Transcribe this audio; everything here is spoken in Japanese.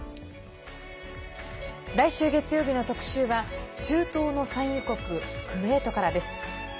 来週月曜日の特集は中東の産油国クウェートからです。